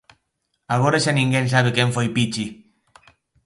Agora xa ninguén sabe quen foi Pichi.